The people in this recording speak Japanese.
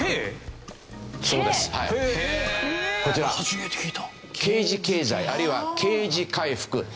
こちらＫ字経済あるいはＫ字回復。